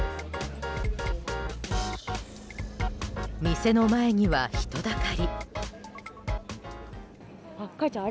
店の前には人だかり。